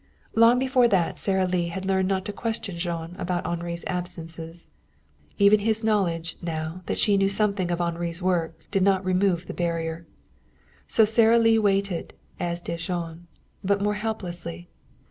Long before that Sara Lee had learned not to question Jean about Henri's absences. Even his knowledge, now, that she knew something of Henri's work, did not remove the barrier. So Sara Lee waited, as did Jean, but more helplessly.